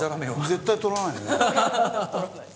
絶対取らないね。